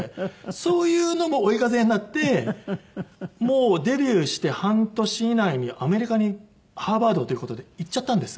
そういうのも追い風になってもうデビューして半年以内にアメリカにハーバードという事で行っちゃったんです。